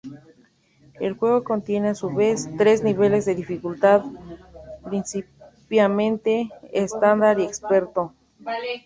El juego contiene a su vez, tres niveles de dificultad: principiante, estándar y experto.